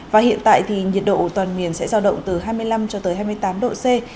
và hiện tại thì nhiệt độ toàn miền sẽ giao động từ hai mươi năm cho tới hai mươi tám độ c